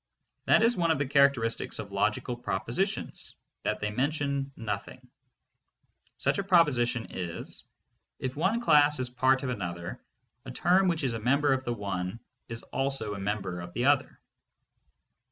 That is one of the characteristics of logical propositions, that they men tion nothing. Such a proposition is: "If one class is part of another, a term which is a member of the one is also a member of the other."